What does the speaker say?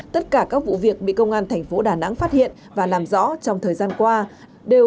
tất cả các vụ việc bị công an thành phố đà nẵng phát hiện và làm rõ trong thời gian qua đều